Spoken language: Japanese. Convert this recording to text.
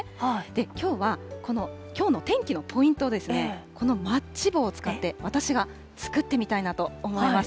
きょうは、このきょうの天気のポイントですね、このマッチ棒を使って、私が作ってみたいなと思います。